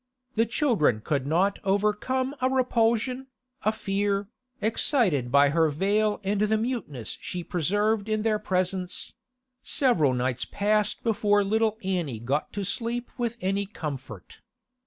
The children could not overcome a repulsion, a fear, excited by her veil and the muteness she preserved in their presence; several nights passed before little Annie got to sleep with any comfort.